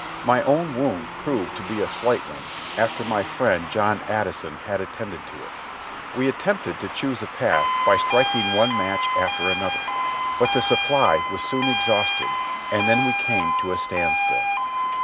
My own wound proved to be a slight one after my friend John Addison had attended to it. We attempted to choose a path by striking one match after another, but the sup ply was soon exhausted, and then we came to a standstill.